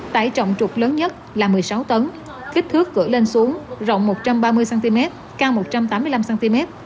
tải trọng trục lớn nhất là một mươi sáu tấn kích thước cửa lên xuống rộng một trăm ba mươi cm cao một trăm tám mươi năm cm